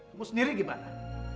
kamu sendiri gimana